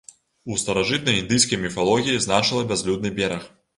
У старажытнай індыйскай міфалогіі значыла бязлюдны бераг.